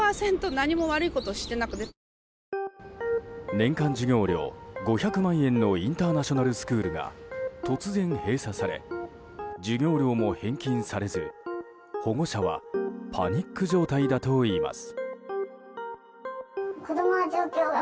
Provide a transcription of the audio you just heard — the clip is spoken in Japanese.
年間授業料５００万円のインターナショナルスクールが突然、閉鎖され授業料も返金されず保護者はパニック状態だといいます。